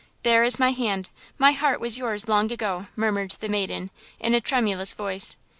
"There is my hand–my heart was yours long ago," murmured the maiden, in a tremulous voice.